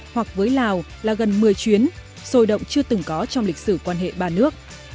hoặc với lào là gần một mươi chuyến sôi động chưa từng có trong lịch sử quan hệ ba nước